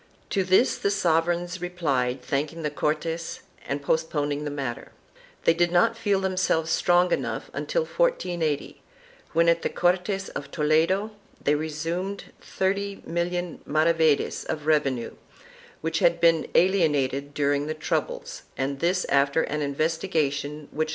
To this the sovereigns replied thanking the Cortes and postponing the matter. They did not feel themselves strong enough until 1480, when at the Cortes of Toledo, they resumed thirty million maravedis of revenue which had been alienated during (Memorial historico espanol, T. VI, pp.